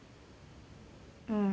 うん。